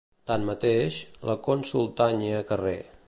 Tanmateix, la cònsol Tanya carrer.